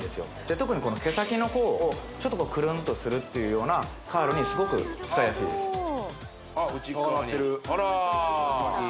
特にこの毛先の方をちょっとクルンとするっていうようなカールにすごく使いやすいですあっ